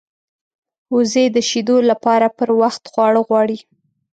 وزې د شیدو لپاره پر وخت خواړه غواړي